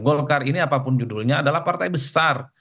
golkar ini apapun judulnya adalah partai besar